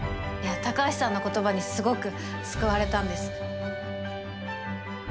いや高橋さんの言葉にすごく救われたんです。